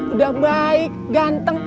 udah baik ganteng